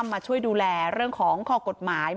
มาช่วยดูแลเรื่องของข้อกฎหมาย